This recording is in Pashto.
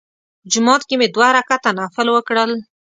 په جومات کې مې دوه رکعته نفل وکړل.